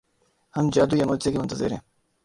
ہم جادو یا معجزے کے منتظر ہیں۔